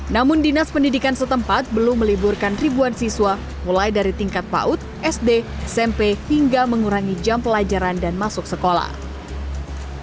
namun dinas pendidikan setempat belum meliburkan ribuan siswa mulai dari tingkat paut sd smp hingga mengurangi jam pelajaran dan masuk sekolah